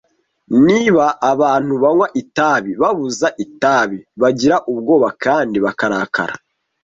Niba abantu banywa itabi babuze itabi, bagira ubwoba kandi bakarakara